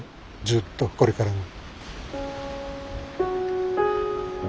ずっとこれからも。